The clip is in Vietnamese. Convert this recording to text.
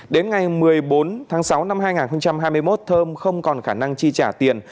đến ngày một mươi bốn tháng sáu năm hai nghìn hai mươi một thơm không còn khả năng chi trả tiền